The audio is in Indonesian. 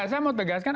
saya mau tegaskan